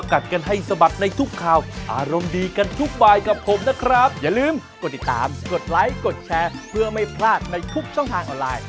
กดติดตามกดไลค์กดแชร์เพื่อไม่พลาดในทุกช่องทางออนไลน์